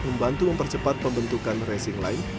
membantu mempercepat pembentukan racing line